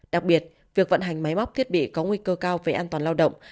đặc biệt việc vận hành máy móc thiết bị có nguy cơ cao về an toàn lao động